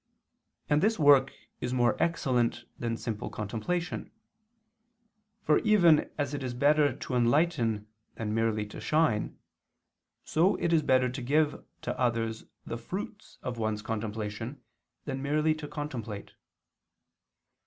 And this work is more excellent than simple contemplation. For even as it is better to enlighten than merely to shine, so is it better to give to others the fruits of one's contemplation than merely to contemplate.